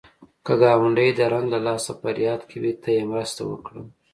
که ګاونډی د رنځ له لاسه فریاد کوي، ته یې مرسته وکړه